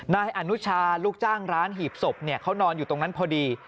นายอนุชาลูกจ้างร้านหีบศพเขานอนอยู่ตรงนั้นพอดี